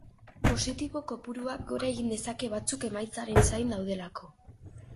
Positibo kopuruak gora egin dezake batzuk emaitzaren zain daudelako.